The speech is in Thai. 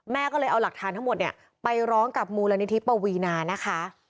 ก็เลยเอาหลักฐานทั้งหมดเนี่ยไปร้องกับมูลนิธิปวีนานะคะ